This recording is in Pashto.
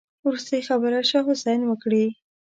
وروستۍ خبرې شاه حسين وکړې.